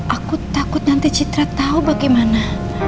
aku takut nanti citra tahu bagaimana